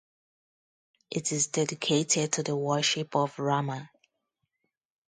It is dedicated to worship of Rama.